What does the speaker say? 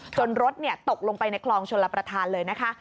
รถตกลงไปในคลองชลประธานเลยนะคะ